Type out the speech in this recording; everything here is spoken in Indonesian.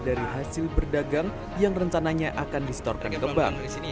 dari hasil berdagang yang rencananya akan distorkan ke bank